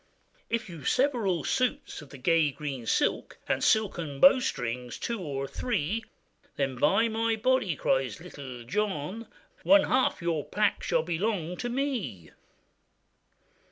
'If you have several suits of the gay green silk, And silken bowstrings two or three, Then it's by my body,' cries bittle John, 'One half your pack shall belong to me.